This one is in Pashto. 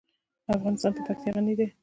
افغانستان په پکتیا غني دی.